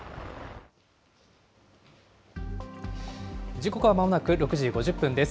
時刻はまもなく６時５０分です。